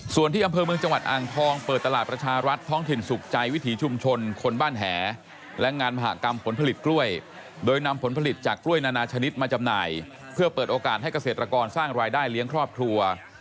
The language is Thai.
ส่วนที่อำเภอเมืองจังหวัดอ่างทองเปิดตลาดประชารัฐท้องถิ่นสุขใจวิถีชุมชนคนบ้านแหและงานมหากรรมผลผลิตกล้วยโดยนำผลผลิตจากกล้วยนานาชนิดมาจำหน่ายเพื่อเปิดโอกาสให้เกษตรกรสร้างรายได้เลี้ยงครอบครัว